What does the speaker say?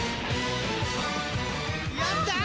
やったー！